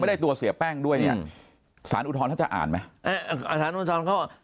ได้ตัวเสียแป้งด้วยเนี่ยสารอุทธรณท่านจะอ่านไหมอ่าสารอุทธรณ์เขา